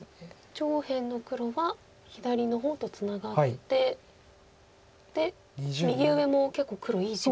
上辺の黒は左の方とツナがってで右上も結構黒いい地が。